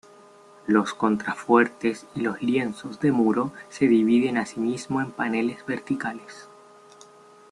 Los contrafuertes y los lienzos de muro se dividen asimismo en paneles verticales.